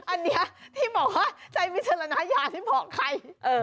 อันนี้ที่บอกว่าใช้วิจารณญาที่บอกใคร